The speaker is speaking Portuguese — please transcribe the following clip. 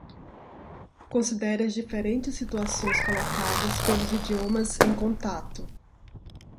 Considere as diferentes situações colocadas pelos idiomas em contato.